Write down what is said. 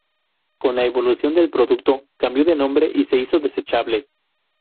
Con la evolución del producto, cambió de nombre y se hizo desechable.